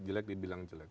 jelek dibilang jelek